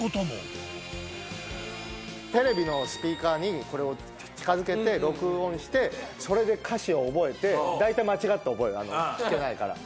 テレビのスピーカーにこれを近付けて録音してそれで歌詞を覚えて大体間違って覚える聴けないから。